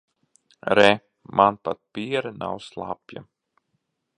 Re, man pat piere nav slapja.